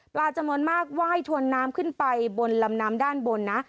จำนวนมากไหว้ถวนน้ำขึ้นไปบนลำน้ำด้านบนนะ